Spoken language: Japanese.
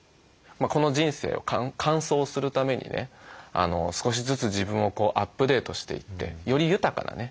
この人生を完走するためにね少しずつ自分をアップデートしていってより豊かなね